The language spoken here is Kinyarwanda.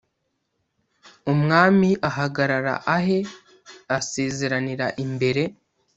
umwami ahagarara ahe asezeranira imbere